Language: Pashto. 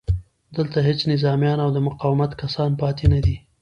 دلته هېڅ نظامیان او د مقاومت کسان پاتې نه دي